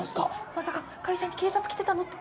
まさか会社に警察来てたのって。